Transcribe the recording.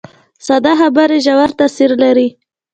ساده خبرې ژور تاثیر لري